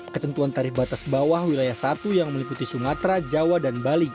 ketentuan tarif batas bawah wilayah satu yang meliputi sumatera jawa dan bali